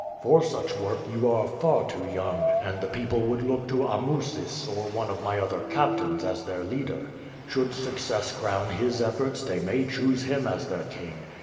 "For such work you are far too young, and the people would look to Amusis or one of my other captains as their leader. Should success crown his efforts they may choose him as their king.